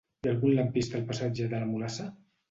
Hi ha algun lampista al passatge de la Mulassa?